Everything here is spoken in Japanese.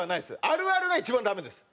「あるある」が一番ダメです。